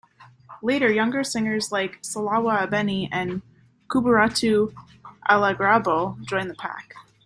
Later, younger singers like Salawa Abeni and Kuburatu Alaragbo joined the pack.